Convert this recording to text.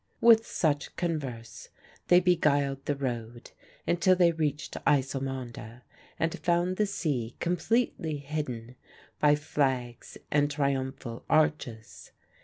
With such converse they beguiled the road until they reached Ysselmonde, and found the sea completely hidden by flags and triumphal arches.